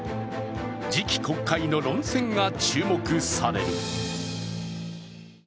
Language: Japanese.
次期国会の論戦が注目される。